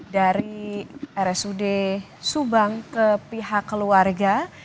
dari rsud subang ke pihak keluarga